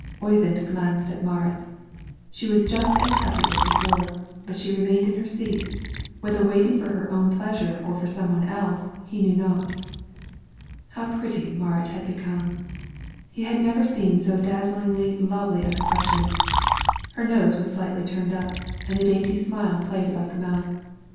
Oyvind glanced at Marit; she was just as happy as before, but she remained in her seat, whether waiting for her own pleasure or for some one else, he knew not. How pretty Marit had become! He had never seen so dazzlingly lovely a complexion; her nose was slightly turned up, and a dainty smile played about the mouth.